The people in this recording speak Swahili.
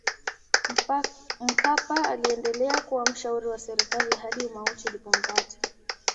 mkapa aliendelea kuwa mshauri wa serikali hadi umauti ulipompata